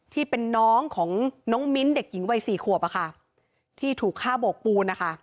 ที่เป็นน้องของน้องมิ้นท์เด็กหญิงวัยสี่ขวบที่ถูกฆ่าโบกปูนนะคะ